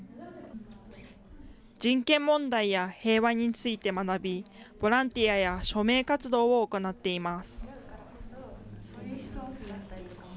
人権問題や平和について学び、ボランティアや署名活動を行っています。